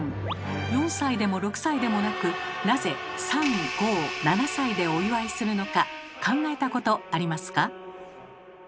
４歳でも６歳でもなくなぜ３・５・７歳でお祝いするのか考えたことありますか？